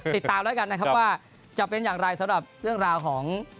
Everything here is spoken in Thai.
ติดตามแล้วกันนะครับว่าจะเป็นอย่างไรสำหรับเรื่องราวของ